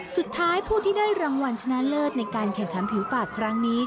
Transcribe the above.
สุดท้ายผู้ที่ได้รางวัลชนะเลิศในการแข่งขันผิวปากครั้งนี้